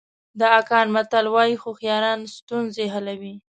د اکان متل وایي هوښیاران ستونزې حلوي.